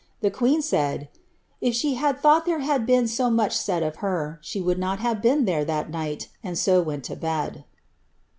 The queen said, ^ if she had thought there had been so much said of her, she would not have been there that night, and so went to bed."